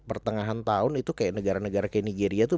pertengahan tahun itu kayak negara negara kayak nigeria itu